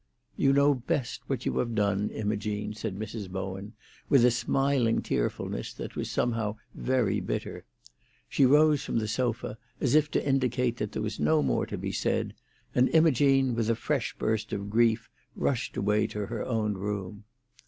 "You know best what you have done, Imogene," said Mrs. Bowen, with a smiling tearfulness that was somehow very bitter. She rose from the sofa, as if to indicate that there was no more to be said, and Imogene, with a fresh burst of grief, rushed away to her own room.